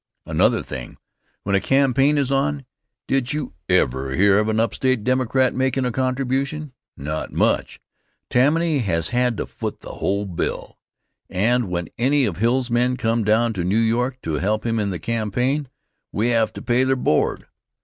Another thing. When a campaign is on, did you ever hear of an upstate Democrat makin' a contribution? Not much. Tammany has had to foot the whole bill, and when any of Hill's men came down to New York to help him in the campaign, we had to pay their board.